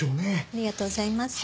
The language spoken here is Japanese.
ありがとうございます。